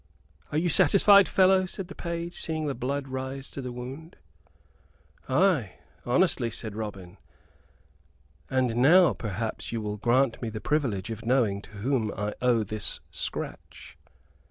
"Are you satisfied, fellow?" said the page, seeing the blood rise to the wound. "Ay, honestly," said Robin, "and now, perhaps, you will grant me the privilege of knowing to whom I owe this scratch?"